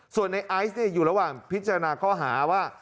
ส่วนในไอซ์อยู่ระหว่างพิจารณาข้อหาว่า